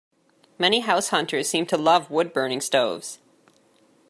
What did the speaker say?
Many househunters seem to love woodburning stoves.